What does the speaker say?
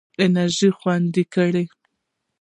انرژي خوندي کړه.